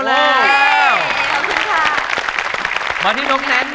ขอบคุณครับ